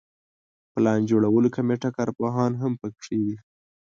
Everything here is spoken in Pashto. پلان جوړولو کمیټه کارپوهان هم په کې وي.